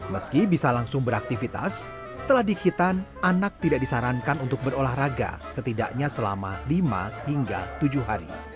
meski bisa langsung beraktivitas setelah dihitan anak tidak disarankan untuk berolahraga setidaknya selama lima hingga tujuh hari